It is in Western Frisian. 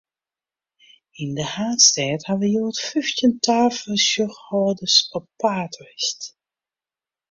Yn de haadstêd hawwe hjoed fyftjin tafersjochhâlders op paad west.